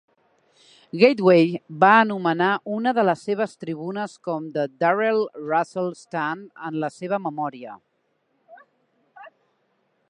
Gateway va anomenar una de les seves tribunes com "The Darrell Russell Stand" en la seva memòria.